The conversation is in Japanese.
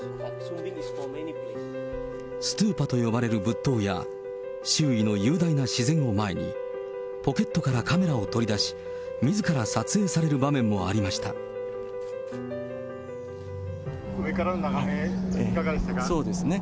ストゥーパと呼ばれる仏塔や、周囲の雄大な自然を前に、ポケットからカメラを取り出し、みずか上からの眺め、そうですね。